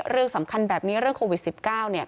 เรื่องสำคัญแบบนี้เรื่องโควิด๑๙